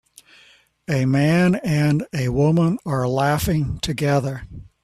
a man and a woman are laughing together